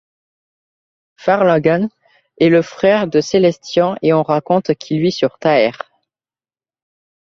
Fharlanghn est le frère de Célestian et on raconte qu'il vit sur Tærre.